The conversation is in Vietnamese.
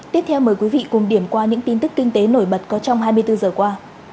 tiếp theo mời quý vị cùng điểm qua những tin tức kinh tế nổi bật có trong hai mươi bốn giờ qua